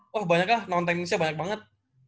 wah banyak lah non teknisnya banyak banget